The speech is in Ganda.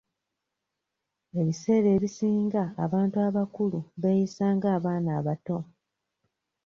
Ebiseera ebisinga abantu abakulu beeyisa nga abaana abato.